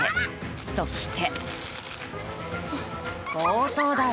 そして。